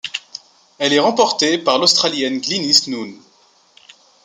Elle est remportée par l'Australienne Glynis Nunn.